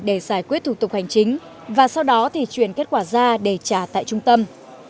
để giải quyết thủ tục hành chính và sau đó thì chuyển kết quả ra để trả tại trung tâm